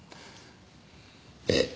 ええ。